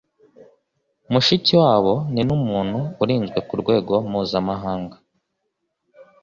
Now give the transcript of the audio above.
Mushikiwabo ni numuntu urinzwe mu rwego mpuzamahanga